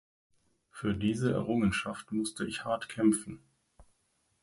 Für diese Errungenschaft musste ich hart kämpfen.